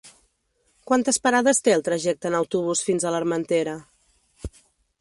Quantes parades té el trajecte en autobús fins a l'Armentera?